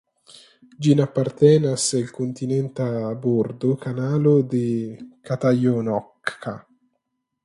Ĝin apartenas el kontinenta bordo Kanalo de Katajanokka.